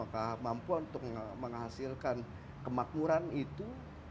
kemampuan untuk menghasilkan kemakmuran itu